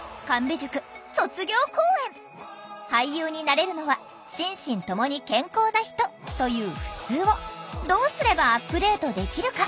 「俳優になれるのは心身ともに健康な人」というふつうをどうすればアップデートできるか？